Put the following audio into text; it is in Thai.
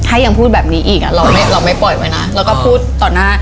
ไม่ปล่อยไว้นะแล้วก็พูดต่อหน้า